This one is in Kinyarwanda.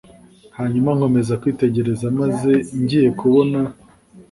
hanyuma nkomeza kwitegereza maze ngiye kubona